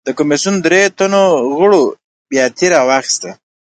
د کمېسیون درې تنو غړو بیاتۍ راواخیستې.